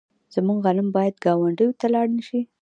زموږ غنم باید ګاونډیو ته لاړ نشي.